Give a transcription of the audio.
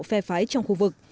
phe phái trong khu vực